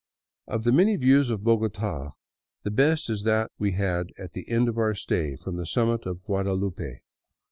Of the many views of Bogota the best is that we had at the end of our stay, from the summit of Guadalupe.